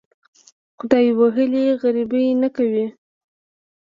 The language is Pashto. خدای وهلي غریبي نه کوي.